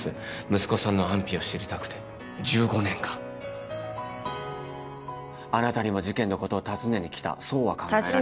息子さんの安否を知りたくて１５年間あなたにも事件のことを尋ねに来たそうは考えられませんか？